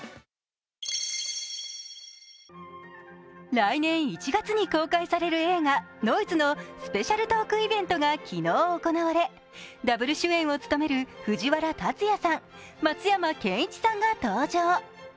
来年１月に公開される映画「ノイズ」のスペシャルトークイベントが昨日行われ、ダブル主演を務める藤原竜也さん、松山ケンイチさんが登場。